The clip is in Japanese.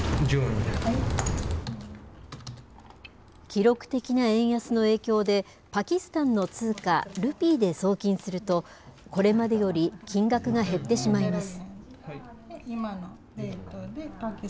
記録的な円安の影響で、パキスタンの通貨ルピーで送金すると、これまでより金額が減ってしまいます。